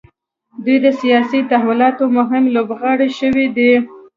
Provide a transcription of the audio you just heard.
دوی د سیاسي تحولاتو مهم لوبغاړي شوي دي.